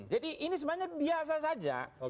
jadi ini sebenarnya biasa saja